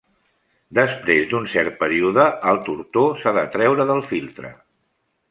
Després d'un cert període el tortó s'ha de treure del filtre.